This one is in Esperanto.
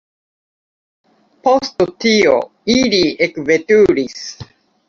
Post tio, ili ekveturis.